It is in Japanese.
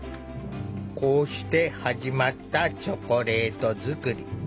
こうして始まったチョコレート作り。